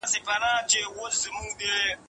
تاسي باید خپله ډوډې په ارامۍ سره وخورئ.